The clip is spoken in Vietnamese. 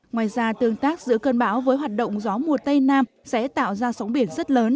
ngoài ra tương tác giữa cơn bão với hoạt động gió mùa tây nam sẽ tạo ra sóng biển rất lớn